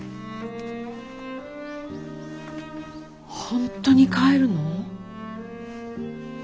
本当に帰るの？